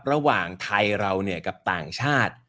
ระหว่างไทยเรากับต่างชาติ